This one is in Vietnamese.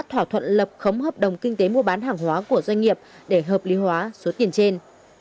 thỏa thuận lập khống hợp đồng kinh tế mua bán hàng hóa của doanh nghiệp để hợp lý hóa số tiền trên